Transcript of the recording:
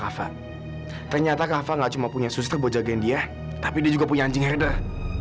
oh kamu tuh gimana sih